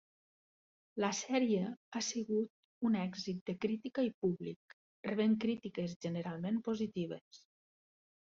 La sèrie ha sigut un èxit de crítica i públic, rebent crítiques generalment positives.